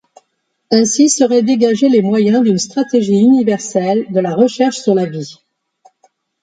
Ainsi seraient dégagés les moyens d'une stratégie universelle de la recherche sur la vie.